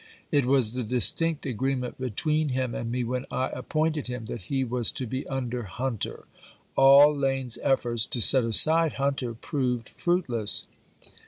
It was the distinct agreement between him and me, when I appointed him, that he was to be under Hunter." All Lane's efforts to set aside Hunter proved fruitless.